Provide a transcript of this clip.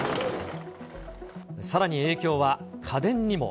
さらに影響は、家電にも。